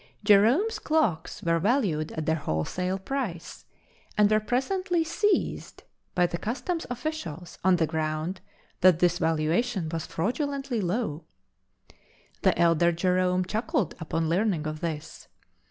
Jerome's clocks were valued at their wholesale price, and were presently seized by the customs officials on the ground that this valuation was fraudulently low. The elder Jerome chuckled upon learning of this.